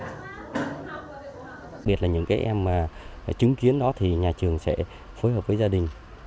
đặc biệt là những em chứng kiến đó thì nhà trường sẽ phối hợp với gia đình